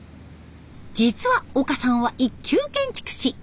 実は岡さんは一級建築士。